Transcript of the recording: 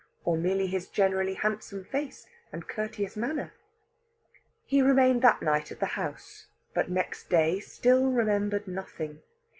Or merely his generally handsome face and courteous manner? He remained that night at the house, but next day still remembered nothing.